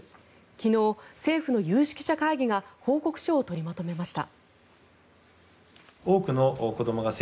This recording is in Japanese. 昨日、政府の有識者会議が報告書を取りまとめました。